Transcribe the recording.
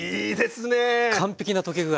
完璧な溶け具合。